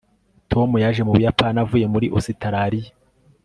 tom yaje mu buyapani avuye muri ositaraliya